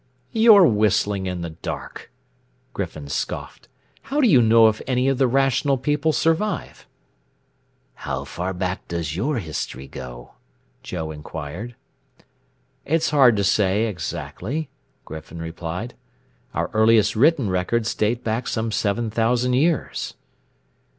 "You're whistling in the dark," Griffin scoffed. "How do you know if any of the Rational People survive?" "How far back does your history go?" Joe inquired. "It's hard to say exactly," Griffin replied. "Our earliest written records date back some seven thousand years."